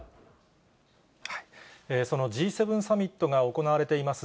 そのＧ７サミットが行われています